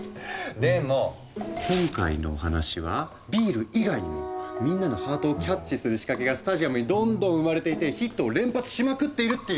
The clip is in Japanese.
でも今回のお話はビール以外にもみんなのハートをキャッチする仕掛けがスタジアムにどんどん生まれていてヒットを連発しまくっているっていう。